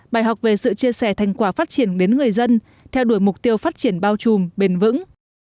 bài học về sự chia sẻ thành quả phát triển đến người dân theo đuổi mục tiêu phát triển bao trùm bền vững